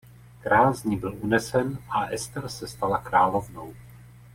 Král z ní byl unesen a Ester se stala královnou.